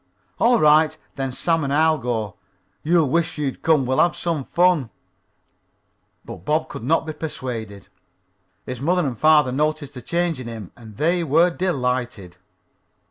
"All right. Then Sam and I'll go. You'll wish you'd come. We'll have some fun." But Bob could not be persuaded. His mother and father noticed the change in him, and they were delighted.